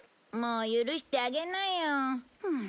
もう許してあげなよ。